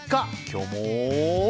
今日も。